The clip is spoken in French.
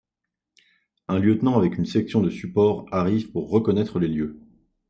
Un lieutenant avec une section de support arrive pour reconnaître les lieux.